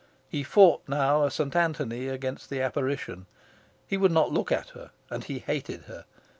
He fought now, a St. Anthony, against the apparition. He would not look at her, and he hated her.